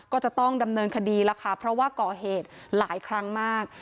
ก็จะต้องดำเนินคดีแล้วค่ะเพราะว่าก่อเหตุหลายครั้งมาก